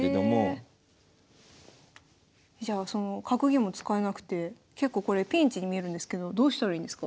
じゃあその格言も使えなくて結構これピンチに見えるんですけどどうしたらいいんですか？